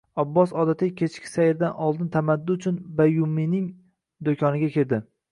Abbos odatiy kechki sayrdan oldin tamaddi uchun Bayyumining do`koniga kirdi